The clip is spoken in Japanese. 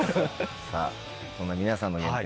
さぁそんな皆さんの原点